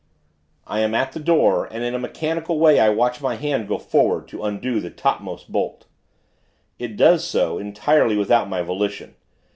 I am at the door, and, in a mechanical way, I watch my hand go forward, to undo the topmost bolt. It does so, entirely without my volition.